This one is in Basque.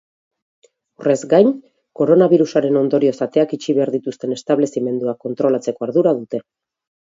Horrez gain, koronabirusaren ondorioz ateak itxi behar dituzten establezimenduak kontrolatzeko ardura dute.